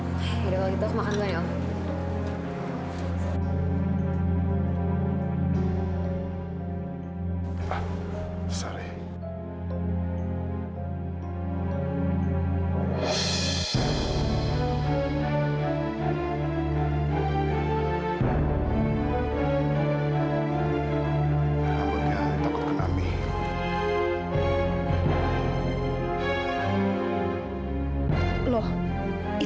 yaudah waktu itu aku makan dulu om